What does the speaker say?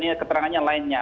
ini keterangannya lainnya